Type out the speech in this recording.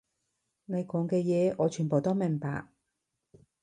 你講嘅嘢，我全部都明白